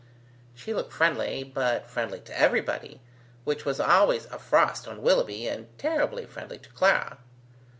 She looked friendly, but friendly to everybody, which was always a frost on Willoughby, and terribly friendly to Clara.